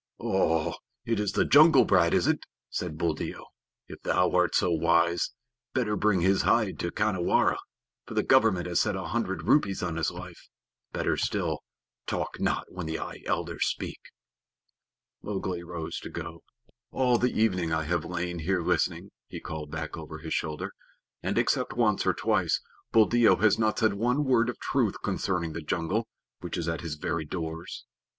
"Oho! It is the jungle brat, is it?" said Buldeo. "If thou art so wise, better bring his hide to Khanhiwara, for the Government has set a hundred rupees on his life. Better still, talk not when thy elders speak." Mowgli rose to go. "All the evening I have lain here listening," he called back over his shoulder, "and, except once or twice, Buldeo has not said one word of truth concerning the jungle, which is at his very doors.